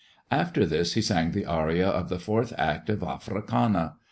After this he sang the aria of the fourth act of "Africana."